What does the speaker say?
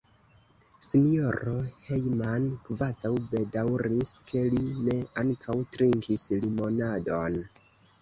S-ro Jehman kvazaŭ bedaŭris, ke li ne ankaŭ trinkis limonadon.